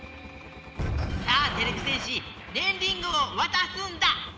さあてれび戦士ねんリングをわたすんだ！